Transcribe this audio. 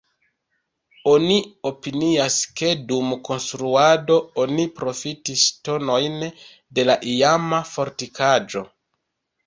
Oni opinias, ke dum konstruado oni profitis ŝtonojn de la iama fortikaĵo.